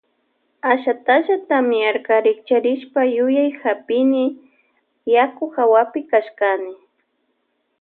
Ashatalla tamiarka rikcharishpa yuyay hapini yaku hawapi kashkani.